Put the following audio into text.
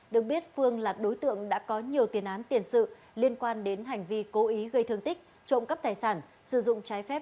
được biết phương là đối tượng đã có nhiều tiền án tiền sự liên quan đến hành vi cố ý gây thương tích trộm cắp tài sản sử dụng trái phép